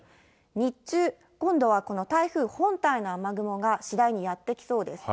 日中、今度はこの台風本体の雨雲が次第にやって来そうです。